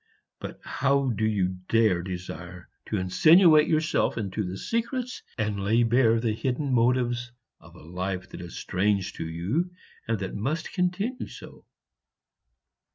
But how do you dare desire to insinuate yourself into the secrets and lay bare the hidden motives of a life that is strange to you and that must continue so?